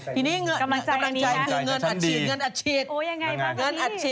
ทีนี้กำลังใจเงินอัจฉิด